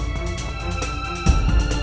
saya sudah selesai mencari